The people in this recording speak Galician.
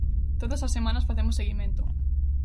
Todas as semanas facemos seguimento.